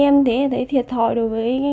em thấy thiệt thòi đối với